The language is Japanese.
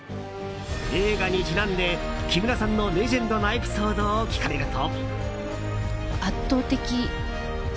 映画にちなんで、木村さんのレジェンドなエピソードを聞かれると。